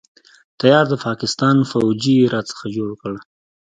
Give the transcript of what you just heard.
تيار د پاکستان فوجي يې را څخه جوړ کړ.